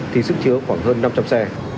thì sức chứa khoảng hơn năm trăm linh xe